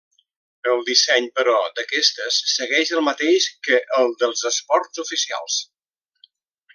El disseny, però, d'aquestes segueix el mateix que el dels Esports Oficials.